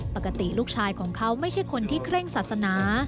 ปกติลูกชายของเขาไม่ใช่คนที่เคร่งศาสนา